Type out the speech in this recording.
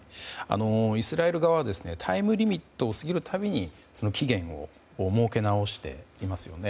イスラエル側はタイムリミットを過ぎる度に期限を設け直していますよね。